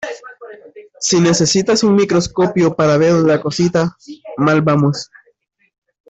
si necesitas un microscopio para ver la cosita , mal vamos .